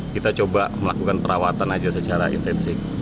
kita coba melakukan perawatan aja secara intensif